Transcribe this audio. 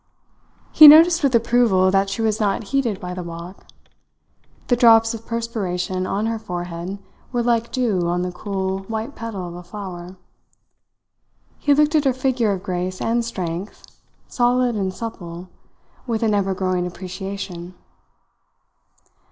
He noticed with approval that she was not heated by the walk. The drops of perspiration on her forehead were like dew on the cool, white petal of a flower. He looked at her figure of grace and strength, solid and supple, with an ever growing appreciation.